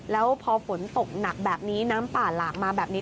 แล้วพอฝนตกหนักแบบนี้น้ำป่าหลากมาแบบนี้